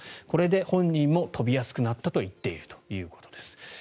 これで本人も飛びやすくなったと言っているということです。